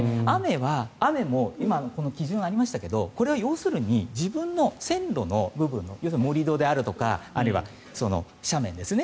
雨も今、基準がありましたけどこれは要するに自分の線路の部分の盛り土であるとかあるいは斜面ですね。